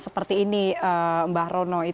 seperti ini mbak rono